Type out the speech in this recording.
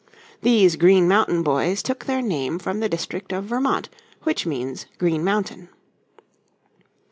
These Green Mountain Boys took their name from the district of Vermont which means Green Mountain.